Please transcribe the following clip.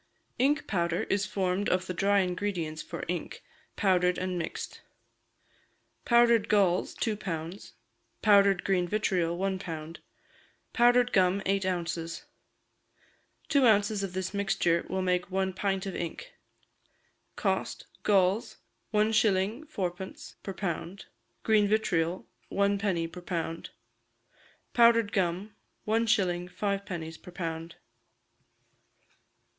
Ink powder is formed of the dry ingredients for ink, powdered and mixed. Powdered galls, two pounds; powdered green vitriol, one pound; powdered gum, eight ounces. Two ounces of this mixture will make one pint of ink. Cost: galls, 1s. 4d. per pound; green vitriol, 1d. per pound; powdered gum, 1s. 5d. per pound.